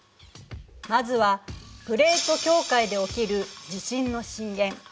まずはプレート境界で起きる地震の震源。